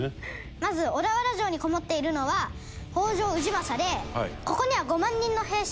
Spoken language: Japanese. まず小田原城にこもっているのは北条氏政でここには５万人の兵士がいます。